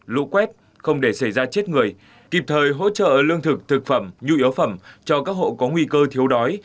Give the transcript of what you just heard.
lũ quét không để xảy ra chết người kịp thời hỗ trợ lương thực thực phẩm nhu yếu phẩm cho các hộ có nguy cơ thiếu đói